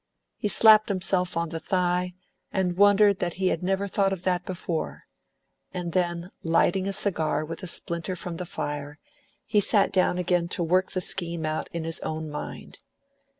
He slapped himself on the thigh, and wondered that he had never thought of that before; and then, lighting a cigar with a splinter from the fire, he sat down again to work the scheme out in his own mind.